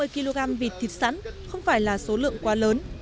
một trăm năm mươi kg vịt thịt sẵn không phải là số lượng quá lớn